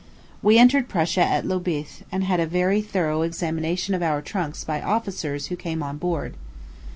We entered Prussia at Lobith, and had a very thorough examination of our trunks by officers who came on board.